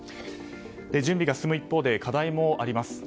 準備が進む一方で課題もあります。